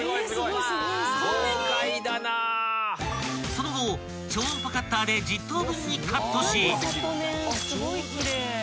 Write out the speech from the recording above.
［その後超音波カッターで１０等分にカットし］